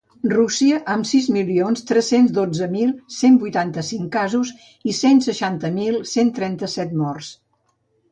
Rússia, amb sis milions tres-cents dotze mil cent vuitanta-cinc casos i cent seixanta mil cent trenta-set morts.